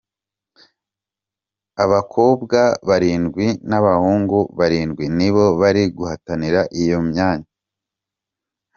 Abakobwa barindwi n’abahungu barindwi nibo bari guhatanira iyo myanya.